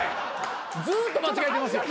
ずっと間違えてますよ。